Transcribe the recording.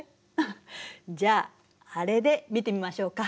じゃあアレで見てみましょうか？